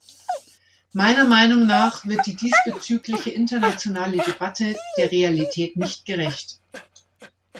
Meiner Meinung nach wird die diesbezügliche internationale Debatte der Realität nicht gerecht.